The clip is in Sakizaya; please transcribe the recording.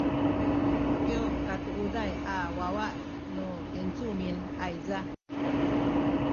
kyu katuuday a wawa nu yincumin ayza